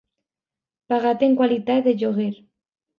Pagat en qualitat de lloguer.